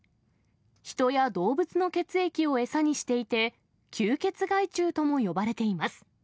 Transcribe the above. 人や動物の血液を餌にしていて、吸血害虫とも呼ばれています。